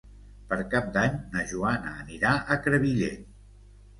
Per Cap d'Any na Joana anirà a Crevillent.